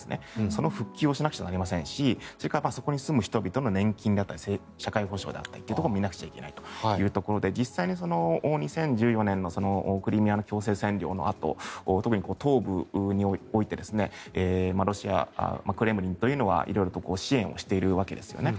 その復旧をしなくてはなりませんしそれからそこに住む人々の年金だったり社会保障を見なくちゃいけないというところで実際に２０１４年のクリミアの強制占領のあと特に東部においてロシア、クレムリンというのは色々支援しているわけですよね。